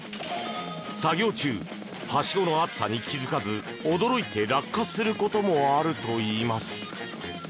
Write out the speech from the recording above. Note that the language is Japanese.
作業中、はしごの熱さに気づかず驚いて落下することもあるといいます。